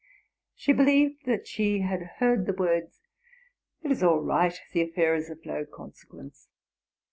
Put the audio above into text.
She believed that she had heard the words, '' It is all right: the affair is of no consequence."